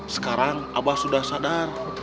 sekarang abah sudah sadar